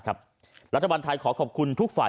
รัฐบาลไทยขอขอบคุณทุกฝ่าย